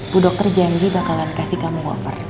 budok kerjaan sih bakalan kasih kamu offer